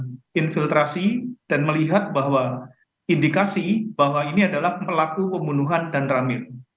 melakukan infiltrasi dan melihat bahwa indikasi bahwa ini adalah pelaku pembunuhan dan rame